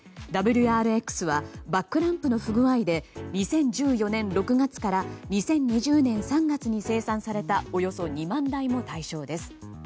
ＷＲＸはバックランプの不具合で２０１４年６月から２０２０年３月に生産されたおよそ２万台も対象です。